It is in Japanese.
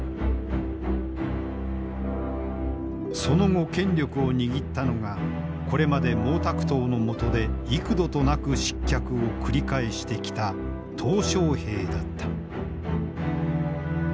その後権力を握ったのがこれまで毛沢東の下で幾度となく失脚を繰り返してきた小平だった。